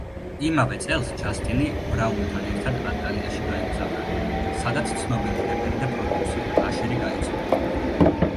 იმავე წელს ჯასტინი ბრაუნთან ერთად ატლანტაში გაემგზავრა, სადაც ცნობილი რეპერი და პროდიუსერი აშერი გაიცნო.